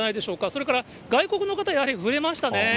それから外国の方、やはり増えましたね。